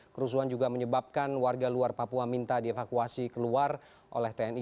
kerusuhan juga menyebabkan warga luar papua minta dievakuasi keluar oleh tni